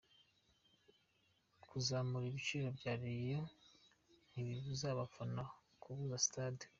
Kuzamura ibiciro kwa Rayon ntibibuza abafana kuzura Stade.